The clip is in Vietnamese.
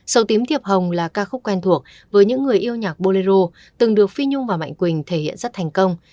sầu tím thiệp hồng là ca khúc quen thuộc với những người yêu nhạc bolero từng được phi nhung và mạnh quỳnh thể hiện rất thành công